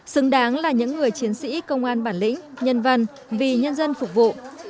xứng đáng là những người chiến sĩ công an bản lĩnh nhân văn vì nhân dân phục vụ